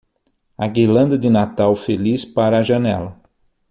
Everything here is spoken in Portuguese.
A guirlanda de Natal feliz para a janela.